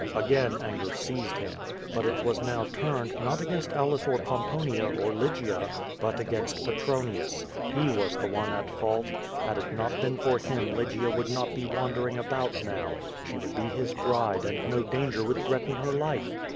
Again anger seized him. But it was now turned, not against Aulus or Pomponia, or Lygia, but against Petronius. Pie was the one at fault. Had it not been for him Lygia would not be wandering about now. She would be his bride and no danger would threaten her life.